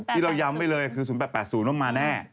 ที่เราย้ำไว้เลยคือ๐๘๘๐ว่ามาแน่